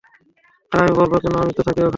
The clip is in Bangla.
আরে আমি বলবো কেন, আমিও তো থাকি ঐখানে।